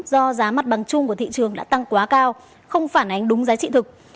do giá mặt bằng chung của thị trường đã tăng quá cao không phản ánh đúng giá trị thực